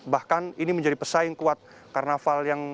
bahkan ini menjadi pesaing kuat karnaval yang